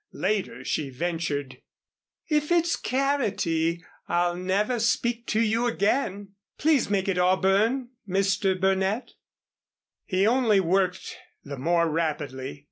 Later she ventured: "If it's carroty I'll never speak to you again. Please make it auburn, Mr. Burnett." He only worked the more rapidly.